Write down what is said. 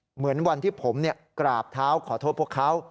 เหมือนวันที่ผมกราบเท้าขอโทษพวกเขา